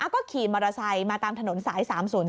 ก็ขี่มอเตอร์ไซค์มาตามถนนสาย๓๐๔